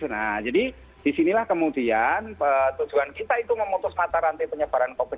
nah jadi disinilah kemudian tujuan kita itu memutus mata rantai penyebaran covid sembilan belas